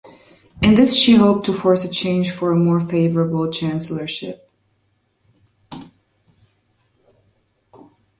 In this she hoped to force a change for a more favorable chancellorship.